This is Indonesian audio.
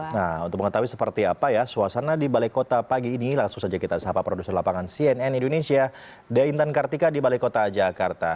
nah untuk mengetahui seperti apa ya suasana di balai kota pagi ini langsung saja kita sahabat produser lapangan cnn indonesia deintan kartika di balai kota jakarta